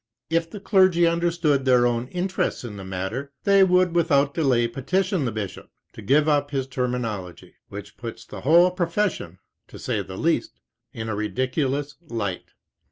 If the clergy understood their own interests in the matter, they would without delay petition the Bishop to give up this terminology, which puts the whole profession, to say the least, in a ridiculous light.